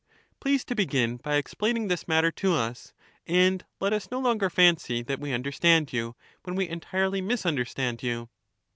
Please to begin by ex plaining this matter to us, and let us no longer fancy that we understand you, when we entirely misunderstand you.'